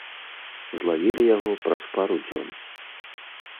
Злавілі яго праз пару дзён.